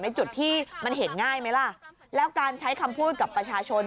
จุดที่มันเห็นง่ายไหมล่ะแล้วการใช้คำพูดกับประชาชน